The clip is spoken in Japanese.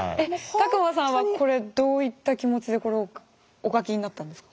卓馬さんはこれどういった気持ちでこれをお書きになったんですか？